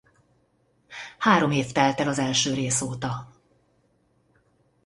Három év telt el az első rész óta.